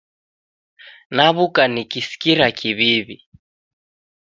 Naw'uka nikisikira kiw'iw'i